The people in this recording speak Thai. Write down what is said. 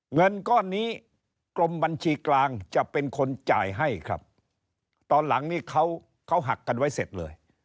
เงินก้อนนี้กรมบัญชีกลางจะเป็นคนจ่ายให้ครับตอนหลังนี่เขาหักกันไว้เสร็จเลย